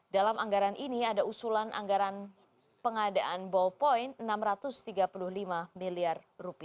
dalam anggaran ini ada usulan anggaran pengadaan ballpoint rp enam ratus tiga puluh lima miliar